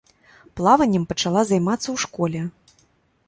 Плаваннем пачала займацца ў школе.